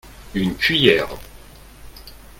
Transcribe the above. Une cuillère.